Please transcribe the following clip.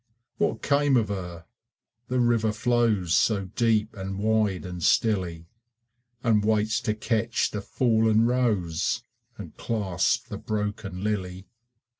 What came of her? The river flows So deep and wide and stilly, And waits to catch the fallen rose And clasp the broken lily.